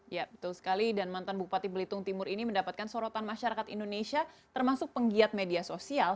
ya betul sekali dan mantan bupati belitung timur ini mendapatkan sorotan masyarakat indonesia termasuk penggiat media sosial